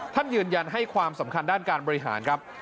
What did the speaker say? ท่านยืนยันให้ความสำคัญด้านการบริหารครับ